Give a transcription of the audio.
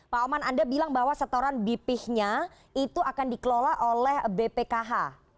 pak oman anda bilang bahwa setoran bph nya itu akan dikelola oleh bpkh